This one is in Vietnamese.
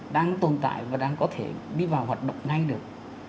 đang tồn tại và đang có thể đi vào hoạt động ngay được